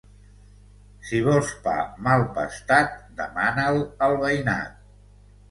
Si vols pa mal pastat demana'l al veïnat.